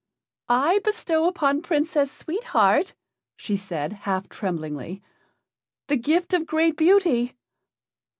"I bestow upon the Princess Sweet Heart," she said, half tremblingly, "the gift of great beauty."